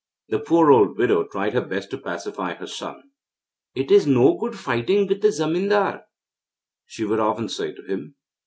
The poor old widow tried her best to pacify her son. 'It is no good fighting with the zemindar,' she would often say to him.